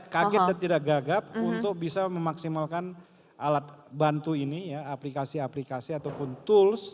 kaget dan tidak gagap untuk bisa memaksimalkan alat bantu ini ya aplikasi aplikasi ataupun tools